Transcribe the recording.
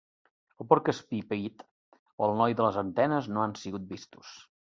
El porc espí Pete o el noi de les antenes no han sigut vistos.